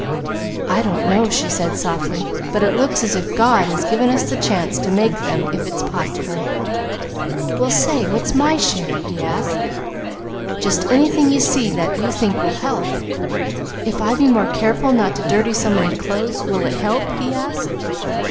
"I don't know," she said softly, "but it looks as if God has given us the chance to make them if it's possible." "Well say what's my share?" he said. "Just anything you see that you think will help." "If I be more careful not to dirty so many clothes, will it help?" he asked.